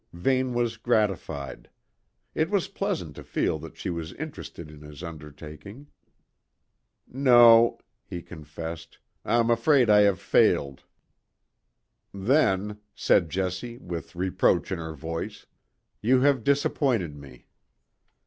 Vane was gratified. It was pleasant to feel that she was interested in his undertaking. "No," he confessed. "I'm afraid I have failed." "Then," said Jessie, with reproach in her voice, "you have disappointed me."